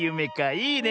いいね。